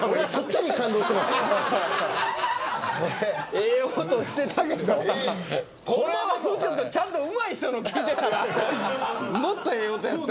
ええ音してたけどホンマはちゃんとうまい人の聴いてたらもっとええ音やった。